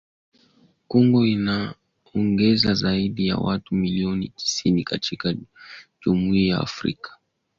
Kongo inaongeza zaidi ya watu milioni tisini katika Jumuiya ya Afrika Mashariki yenye watu milioni Mia Moja sabini na saba .